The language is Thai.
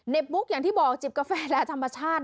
บุ๊กอย่างที่บอกจิบกาแฟและธรรมชาติ